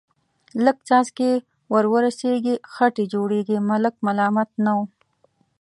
لږ څاڅکي ور ورسېږي، خټې جوړېږي، ملک ملامت نه و.